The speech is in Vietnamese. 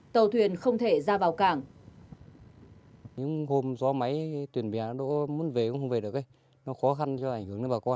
tàu thuyền không thể ra vào cảng